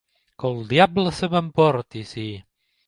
Que el diable se m'emporti si...